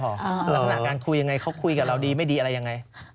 ลักษณะการคุยยังไงเขาคุยกับเราดีไม่ดีอะไรยังไง